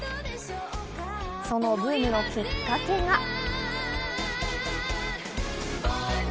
そのブームのきっかけが。